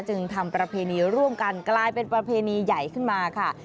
จึงทำประเพณีร่วมกันกลายเป็นประเพณีใหญ่ขึ้นมาค่ะ